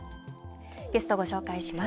ゲスト、ご紹介します。